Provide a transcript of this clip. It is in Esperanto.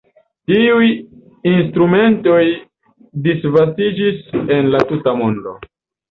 Tiuj instrumentoj disvastiĝis en la tuta mondo.